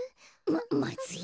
ままずい。